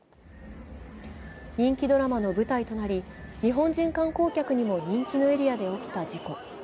人気ドラマの舞台となり日本人観光客にも人気のエリアで起きた事故。